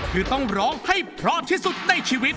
คือต้องร้องให้พร้อมที่สุดในชีวิต